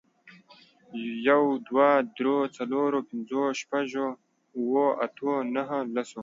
يوه، دوو، درو، څلورو، پنځو، شپږو، اوو، اتو، نهو، لسو